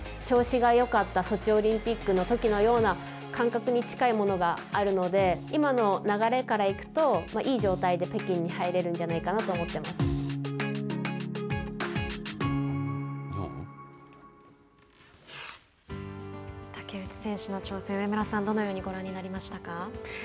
調子がよかったソチオリンピックのときのような感覚に近いものがあるので今の流れからいくといい状態で北京に入れるんじゃないかなと思竹内選手の挑戦上村さんはどのようにご覧になりましたか。